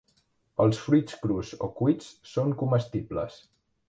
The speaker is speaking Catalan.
Els fruits crus o cuits són comestibles.